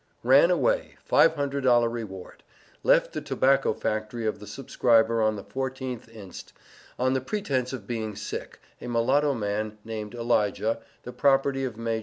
RAN AWAY $500 REWARD. Left the Tobacco Factory of the subscriber on the 14th inst., on the pretence of being sick, a mulatto man, named ELIJAH, the property of Maj.